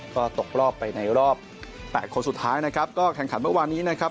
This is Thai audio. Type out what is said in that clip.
ก็ตกรอบไปในรอบแปดคนสุดท้ายนะครับก็แข่งขันเมื่อวานนี้นะครับ